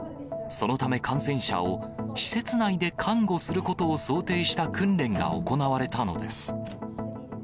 そのため、感染者を施設内で看護することを想定した訓練が行われたのです。